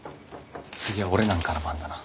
次は俺なんかの番だな。